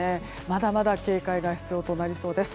まだまだ警戒が必要となりそうです。